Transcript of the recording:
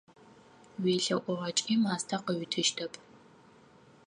УелъэӀугъэкӀи мастэ къыуитыщтэп.